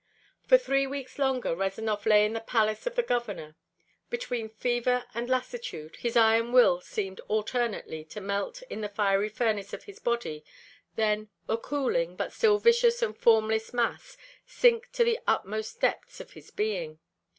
For three weeks longer Rezanov lay in the palace of the Governor. Between fever and lassitude, his iron will seemed alternately to melt in the fiery furnace of his body, then, a cooling but still viscous and formless mass, sink to the utmost depths of his being.